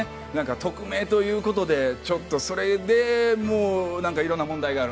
匿名ということでちょっとそれで色々な問題がある。